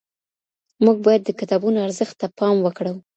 موږ باید د کتابونو ارزښت ته پام وکړو.